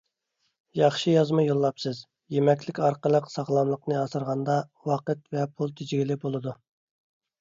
ياخشى يازما يوللاپسىز. يېمەكلىك ئارقىلىق ساغلاملىقنى ئاسرىغاندا ۋاقىت ۋە پۇل تېجىگىلى بولىدۇ.